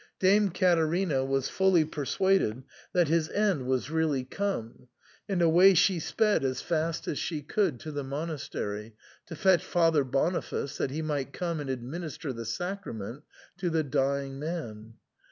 Dame Caterina was fully persuaded that his end was really come, and away she sped as fast as she could to the monastery, to fetch Father Boniface, that he might come and administer the sacrament to the dying man.